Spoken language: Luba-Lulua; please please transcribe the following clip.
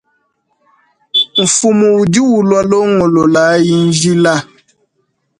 Mfumu udi ulua longololayi njila.